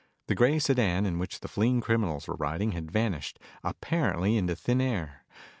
The gray sedan in which the fleeing criminals were riding had vanished, apparently into thin air.